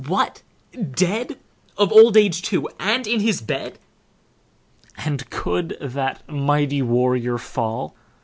what dead! Of old age, too, and in his bed! And could that Mighty Warrior fall?